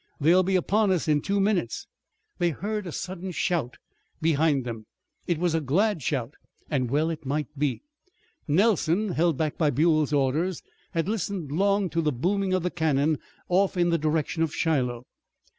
They'll be upon us in two minutes!" They heard a sudden shout behind them. It was a glad shout, and well it might be. Nelson, held back by Buell's orders, had listened long to the booming of the cannon off in the direction of Shiloh.